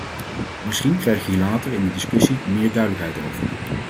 Misschien krijg ik hier later in de discussie meer duidelijkheid over.